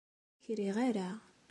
Ur k-riɣ ara!